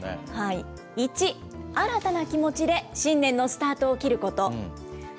１、新たな気持ちで新年のスタートを切ること。